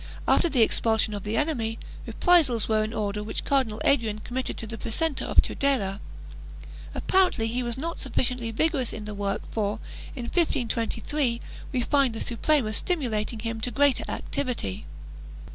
After the expulsion of the enemy, reprisals were in order which Cardinal Adrian committed to the Precentor of Tudela. Appar ently he was not sufficiently vigorous in the work for, in 1523, we find the Suprema stimulating him to greater activity.